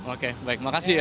oke baik makasih ya